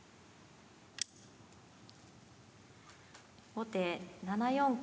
後手７四桂。